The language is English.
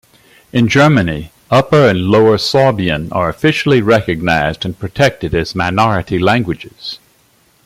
In Germany, Upper and Lower Sorbian are officially recognized and protected as minority languages.